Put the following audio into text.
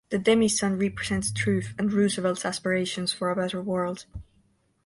The demi-sun represents truth and Roosevelt's aspirations for a better world.